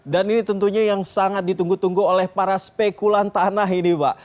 dan ini tentunya yang sangat ditunggu tunggu oleh para spekulan tanah ini pak